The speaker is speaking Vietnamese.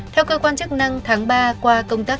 theo cơ quan chức năng tháng ba qua công tác